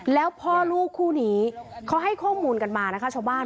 แล้วพ่อลูกคู่นี้เขาให้ข้อมูลกันมานะคะชาวบ้าน